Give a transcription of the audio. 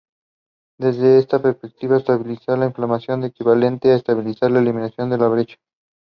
Marine and General Insurance Brokers was the first insurance brokering firm in Ghana.